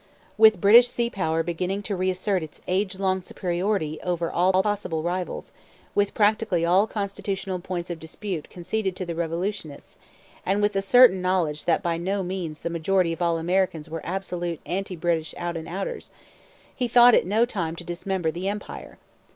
With British sea power beginning to reassert its age long superiority over all possible rivals, with practically all constitutional points of dispute conceded to the revolutionists, and with the certain knowledge that by no means the majority of all Americans were absolute anti British out and outers, he thought it no time to dismember the Empire.